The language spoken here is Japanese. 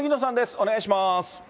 お願いします。